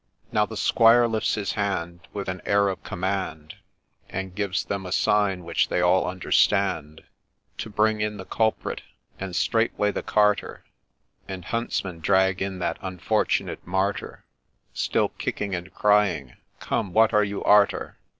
Now the Squire lifts his hand With an air of command, And gives them a sign, which they all understand, To bring in the culprit ; and straightway the carter And huntsman drag in that unfortunate martyr, Still kicking, and crying, ' Come, — what are you arter